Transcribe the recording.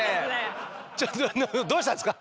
ちょっとどうしたんですか？